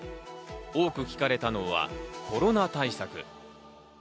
多く聞かれたのはコロナ対策。